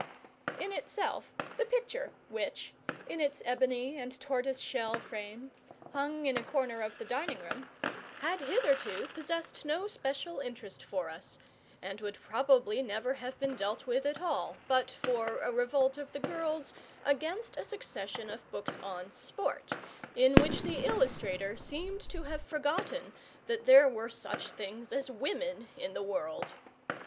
In itself the picture, which in its ebony and tortoise shell frame hung in a corner of the dining room, had hitherto possessed no special interest for us, and would probably never have been dealt with at all but for a revolt of the girls against a succession of books on sport, in which the illustrator seemed to have forgotten that there were such things as women in the world.